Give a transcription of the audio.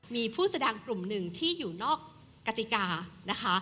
มีผู้แสดงกลุ่มหนึ่งที่อยู่นอกกติกานะคะ